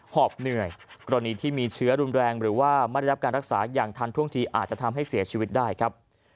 หอบเหนื่อยกรณีที่มีเชื้อรุนแรงหรือว่าไม่ได้รับการรักษาอย่างทันท่วงทีอาจจะทำให้เสียชีวิตได้ครับ